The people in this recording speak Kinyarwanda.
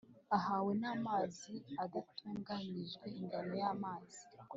Ahawe n amazi adatunganyijwe ingano y amazi